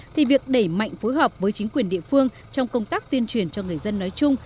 thì việc đẩy mạnh phối hợp với chính quyền địa phương trong công tác tuyên truyền cho người dân nói chung